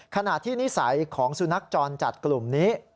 ขณะที่นิสัยของสุนัขจรจัดกลุ่มนี้